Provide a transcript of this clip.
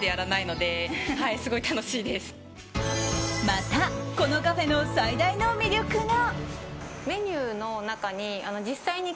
また、このカフェの最大の魅力が。